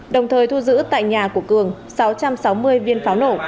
đồng thời thu giữ tại nhà của cường sáu trăm sáu mươi viên pháo nổ